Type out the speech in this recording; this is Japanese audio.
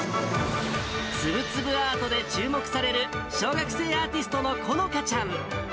つぶつぶアートで注目される小学生アーティストのこのかちゃん。